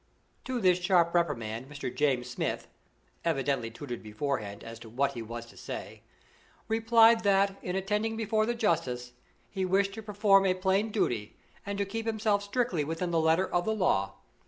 To this sharp reprimand Mr. James Smith (evidently tutored beforehand as to what he was to say) replied that, in attending before the justice, he wished to perform a plain duty and to keep himself strictly within the letter of the law.